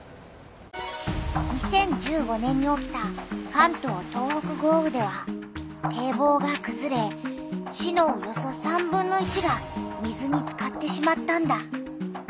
２０１５年に起きた関東・東北豪雨では堤防がくずれ市のおよそ３分の１が水につかってしまったんだ。